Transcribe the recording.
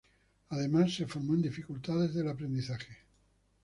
Además, se formó en Dificultades del aprendizaje.